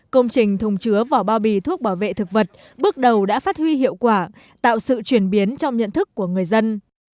công trình thùng chứa vỏ bao bì thuốc bảo vệ thực vật bước đầu đã phát huy hiệu quả tạo sự chuyển biến trong nhận thức của người dân